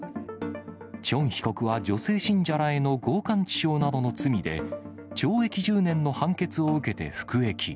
チョン被告は女性信者らへの強姦致傷などの罪で、懲役１０年の判決を受けて服役。